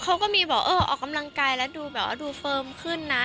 เขาก็มีบอกเออออกกำลังกายแล้วดูแบบว่าดูเฟิร์มขึ้นนะ